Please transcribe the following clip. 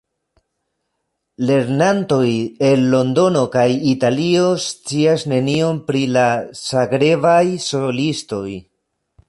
Lernantoj el Londono kaj Italio scias nenion pri la Zagrebaj solistoj.